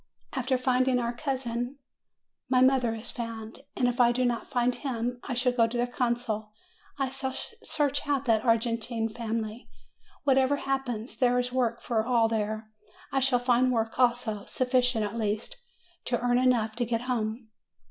After finding our cousin, my mother is found; and if I do not find him, I shall go to the consul: I shall search out that Argentine family. Whatever happens, there is work for all there; I shall find work also; sufficient at least, to earn enough to get home.''